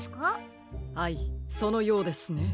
はいそのようですね。